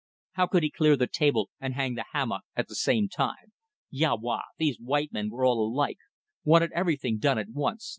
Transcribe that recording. ... How could he clear the table and hang the hammock at the same time. Ya wa! Those white men were all alike. Wanted everything done at once.